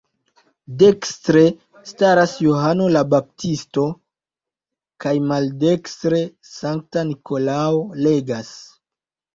Dekstre staras Johano la Baptisto, kaj maldekstre Sankta Nikolao legas.